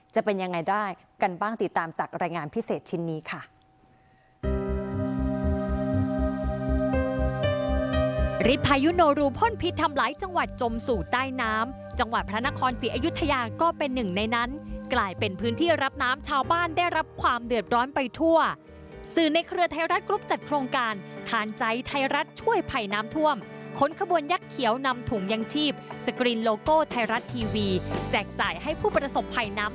จะเป็นยังไงได้กันบ้างติดตามจากรายงานพิเศษชิ้นนี้ค่ะ